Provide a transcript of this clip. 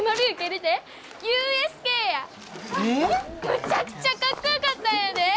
むちゃくちゃかっこよかったんやで！